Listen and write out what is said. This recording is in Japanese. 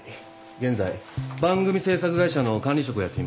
現在番組制作会社の管理職をやっています。